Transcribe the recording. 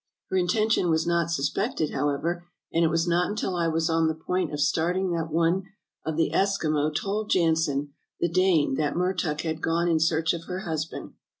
Her intention was not suspected, however, and it was not until I was on the point of starting that one of the Eskimo told Jansen, the Dane, that Mertuk had gone in search of her husband.